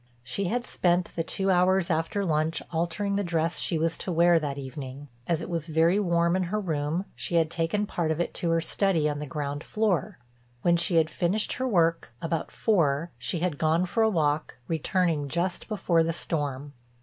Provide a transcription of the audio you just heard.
She had spent the two hours after lunch altering the dress she was to wear that evening. As it was very warm in her room she had taken part of it to her study on the ground floor. When she had finished her work—about four—she had gone for a walk returning just before the storm.